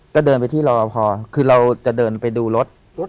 ก็เดินไปที่รอพอคือเราจะเดินไปดูรถ